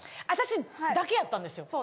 私だけやったんですよ。